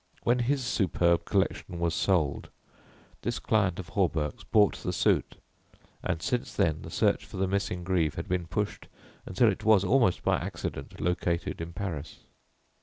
When his superb collection was sold, this client of Hawberk's bought the suit, and since then the search for the missing greave had been pushed until it was, almost by accident, located in Paris.